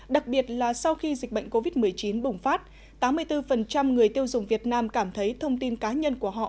đặc biệt là sau khi dịch bệnh covid một mươi chín bùng phát tám mươi bốn người tiêu dùng việt nam cảm thấy thông tin cá nhân của họ